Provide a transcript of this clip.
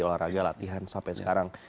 olahraga latihan sampai sekarang